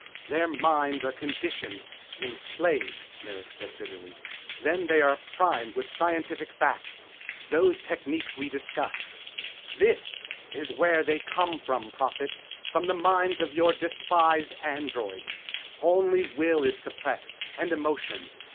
"Their minds are conditioned enslaved," Merrick said bitterly. "Then they are primed with scientific facts. Those techniques we discussed. This is where they come from, Prophet. From the minds of your despised androids. Only will is suppressed, and emotion.